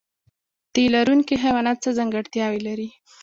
تی لرونکي حیوانات څه ځانګړتیا لري؟